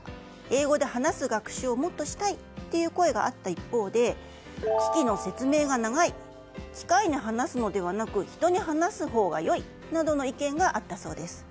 英語で話す学習をもっとしたいという声があった一方で機器の説明が長い機械に話すのではなく人に話すほうが良いなどの意見があったそうです。